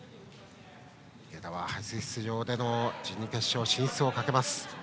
池田は初出場での準決勝進出をかけます。